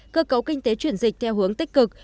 cơ cấu kinh tế chuyển dịch theo hướng tích cực